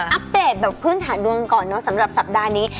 อัปเดตแบบพื้นฐานดวงก่อนเนอะสำหรับสัปดาห์นี้